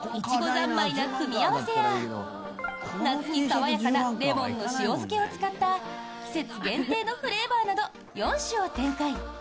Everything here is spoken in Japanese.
ざんまいな組み合わせや夏に爽やかなレモンの塩漬けを使った季節限定のフレーバーなど４種を展開。